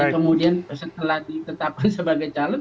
kemudian setelah ditetapkan sebagai calon